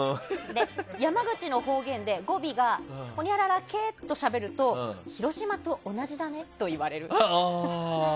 山口の方言で語尾がほにゃららけえとしゃべるとしゃべると広島と同じだねと言われる。